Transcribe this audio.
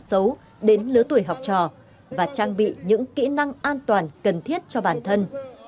học sinh tốt xấu đến lứa tuổi học trò và trang bị những kỹ năng an toàn cần thiết cho bản thân